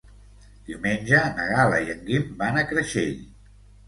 Diumenge na Gal·la i en Guim van a Creixell.